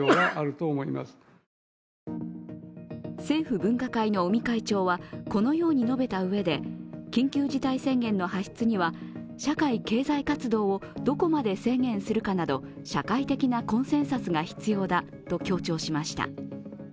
政府分科会の尾身会長はこのように述べたうえで緊急事態宣言の発出には社会経済活動をどこまで制限するかなど社会的なコンセンサスが必要だと強調しました。